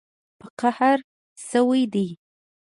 په قهر شوي دي